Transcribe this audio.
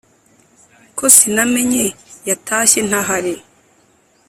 ko sinamenye yatashye ntahari.